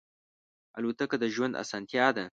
الوتکه د ژوند آسانتیا ده.